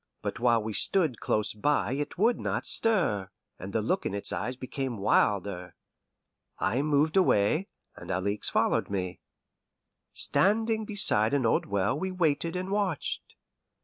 But while we stood close by it would not stir, and the look in its eyes became wilder. I moved away, and Alixe followed me. Standing beside an old well we waited and watched.